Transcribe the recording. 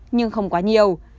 nhưng không quá nhiều